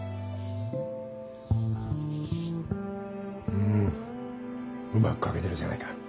うんうまく書けてるじゃないか。